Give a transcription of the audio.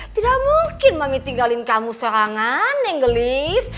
tidak mungkin mami tinggalin kamu sorangan nenggelis